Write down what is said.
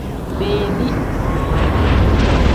Bebi.